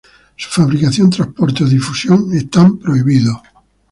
Su fabricación, transporte o difusión están prohibidas.